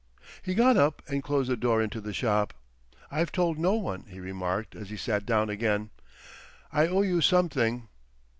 He got up and closed the door into the shop. "I've told no one," he remarked, as he sat down again. "I owe you something."